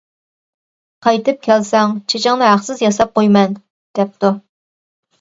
قايتىپ كەلسەڭ چېچىڭنى ھەقسىز ياساپ قويىمەن، -دەپتۇ.